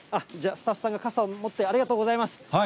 じゃあ、スタッフさんが傘を持って、ありがとうございます。